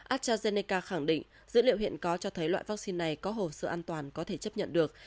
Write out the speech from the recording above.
astrazeneca khẳng định dữ liệu hiện có cho thấy loại vaccine này có hồ sơ an toàn có thể chấp nhận được